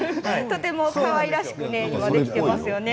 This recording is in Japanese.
とてもかわいらしくできていますよね。